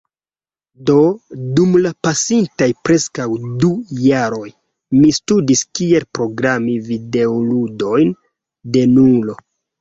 Do dum la pasintaj preskaŭ du jaroj mi studis kiel programi videoludojn denulo.